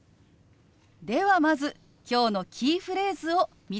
ではまず今日のキーフレーズを見てみましょう。